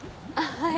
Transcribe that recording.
はい。